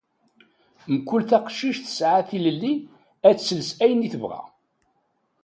Mkul taqcict tesɛa tilelli ad tles ayen i tebɣa